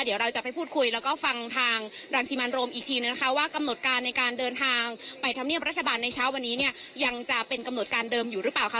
เดี๋ยวเราจะไปพูดคุยแล้วก็ฟังทางรังสิมันโรมอีกทีนะคะว่ากำหนดการในการเดินทางไปทำเนียบรัฐบาลในเช้าวันนี้เนี่ยยังจะเป็นกำหนดการเดิมอยู่หรือเปล่าค่ะ